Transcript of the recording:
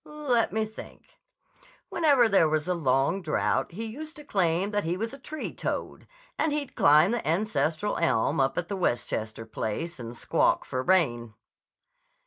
"Let me think. Whenever there was a long drought he used to claim that he was a tree toad, and he'd climb the ancestral elm up at the Westchester place and squawk for rain."